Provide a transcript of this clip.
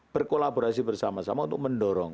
berkolaborasi bersama sama untuk mendorong